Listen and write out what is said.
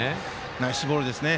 ナイスボールですね。